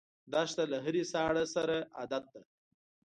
دښته له هرې ساړه سره عادت ده.